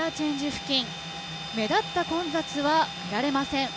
付近、目立った混雑は見られません。